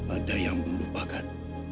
ada yang melupakan